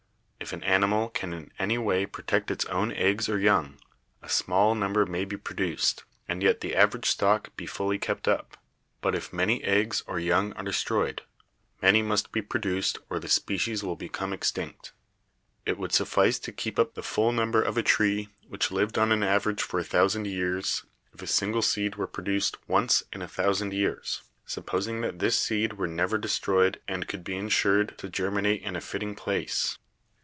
If an animal can in any way protect its own eggs or young, a small number may be produced, and yet the average stock be fully kept up; but if many eggs or young are destroyed, many must be produced or the species will become extinct. It would suffice to keep up the full number of a tree which lived on an average for a thousand years if a single seed were produced once in a 188 BIOLOGY thousand years, supposing that this seed were never de stroyed and could be insured to germinate in a fitting place.